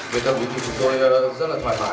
về tâm lý thì chúng tôi rất là thoải mái